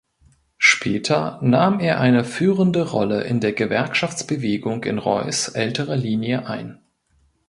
Später nahm er eine führende Rolle in der Gewerkschaftsbewegung in Reuß älterer Linie ein.